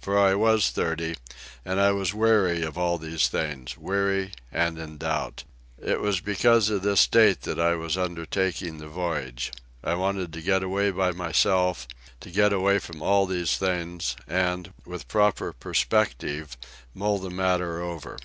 For I was thirty, and I was weary of all these things—weary and in doubt. It was because of this state that I was undertaking the voyage. I wanted to get away by myself, to get away from all these things, and, with proper perspective, mull the matter over.